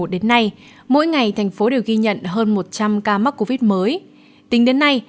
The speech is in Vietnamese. một mươi một đến nay mỗi ngày thành phố đều ghi nhận hơn một trăm linh ca mắc covid mới tính đến nay